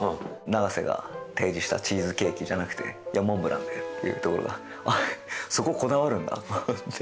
永瀬が提示したチーズケーキじゃなくて「いやモンブランで」っていうところが「そここだわるんだ？」と思って。